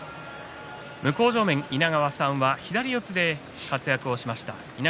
向正面の稲川さんは左四つで活躍をしました。